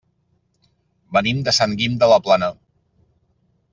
Venim de Sant Guim de la Plana.